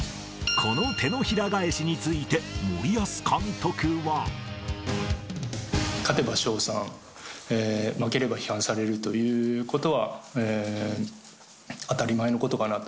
この手のひら返しについて、勝てば称賛、負ければ批判されるということは、当たり前のことかなと。